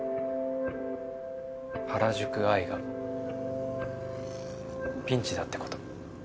『原宿アイ』がピンチだってこと。